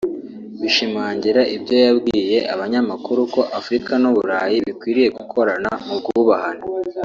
Bishimangira ibyo yabwiye abanyamakuru ko Afurika n’u Burayi bikwiriye gukorana mu bwubahane